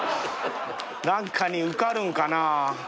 何かに受かるんかなぁ？